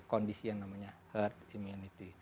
kondisi yang namanya herd immunity